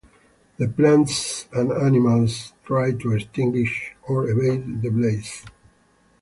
The plants and animals try to extinguish or evade the blaze.